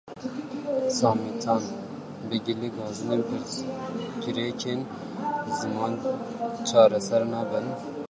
Samî Tan: Bi gilî û gazinan pirsgirêkên ziman çareser nabin.